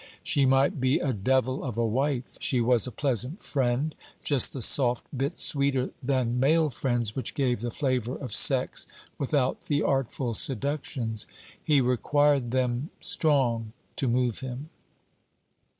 She might be a devil of a wife. She was a pleasant friend; just the soft bit sweeter than male friends which gave the flavour of sex without the artful seductions. He required them strong to move him.